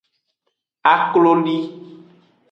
Akloli.